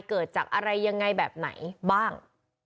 เกิดจากอะไรยังไงแบบไหนบ้าง